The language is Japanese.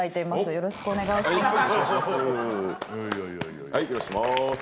よろしくお願いします。